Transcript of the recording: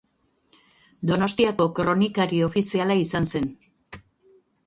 Donostiako kronikari ofiziala izan zen.